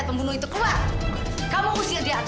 pakarannya belum siap